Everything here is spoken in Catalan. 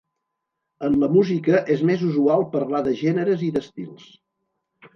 En la música és més usual parlar de gèneres i d'estils.